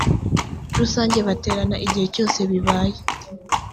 rusange baterana igihe cyose bibaye